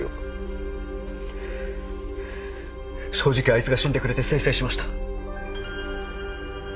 正直あいつが死んでくれてせいせいしました。